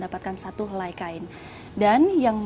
saya mau ikut air yang